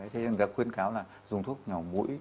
thế người ta khuyên cáo là dùng thuốc nhỏ mũi